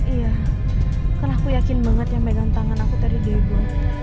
iya karena aku yakin banget yang pegang tangan aku tadi dia ibu